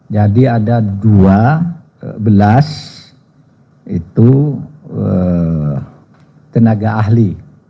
jadi ada dua belas tenaga ahli